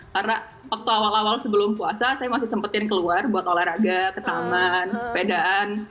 karena waktu awal awal sebelum puasa saya masih sempetin keluar buat olahraga ke taman sepedaan